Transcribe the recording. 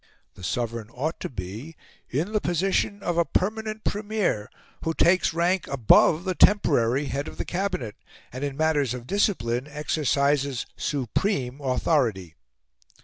The Sovereign ought to be "in the position of a permanent Premier, who takes rank above the temporary head of the Cabinet, and in matters of discipline exercises supreme authority."